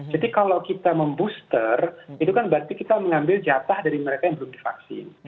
jadi kalau kita membooster itu kan berarti kita mengambil jatah dari mereka yang belum divaksin